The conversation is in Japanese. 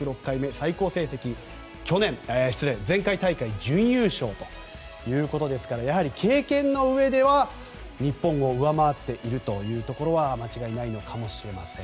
最高成績、前回大会準優勝ということですからやはり経験のうえで日本を上回っているところは間違いないのかもしれません。